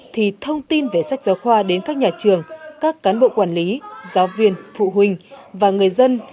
thì thông tin về sách giáo khoa đến các nhà trường các cán bộ quản lý giáo viên phụ huynh và người dân